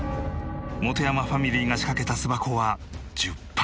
本山ファミリーが仕掛けた巣箱は１０箱。